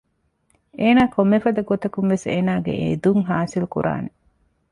އޭނާ ކޮންމެފަދަ ގޮތަކުންވެސް އޭނާގެ އެދުން ހާސިލްކުރާނެ